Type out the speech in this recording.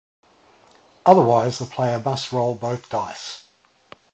Otherwise, the player must roll both dice.